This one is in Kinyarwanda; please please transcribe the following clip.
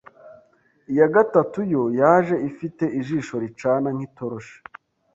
iya gatatu yo yaje ifite ijisho ricana nk’itoroshi,